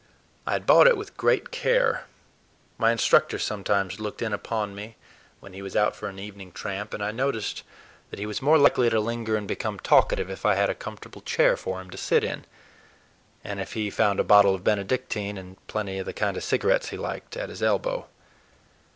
I had bought it with great care. My instructor sometimes looked in upon me when he was out for an evening tramp, and I noticed that he was more likely to linger and become talkative if I had a comfortable chair for him to sit in, and if he found a bottle of Bénédictine and plenty of the kind of cigarettes he liked, at his elbow.